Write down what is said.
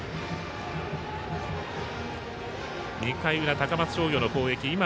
２回裏、高松商業の攻撃。